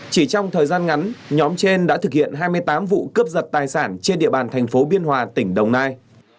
chỉ trong thời gian ngắn nhóm trên đã thực hiện hai mươi tám vụ cướp giật tài sản trên địa bàn thành phố biên hòa tỉnh đồng nai